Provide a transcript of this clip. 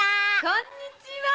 こんにちは。